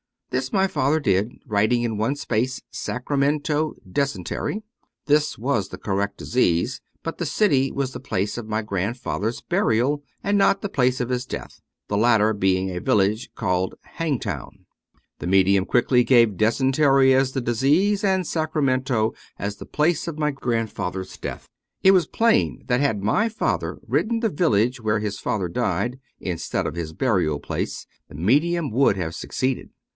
This my father did, writing in one space " Sacramento dysentery." This was the correct disease, but the city was the place of my grandfather's burial, and not the place of his death, the latter being a village called " Hangtown." The medium quickly gave dysentery as the disease, and Sacramento as the place of my grandfather's death. It was plain that had my father written the village where his father died, instead of his burial place, the medium would have succeeded.